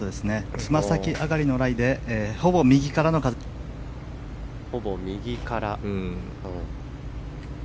つま先上がりのライでほぼ右からの風です。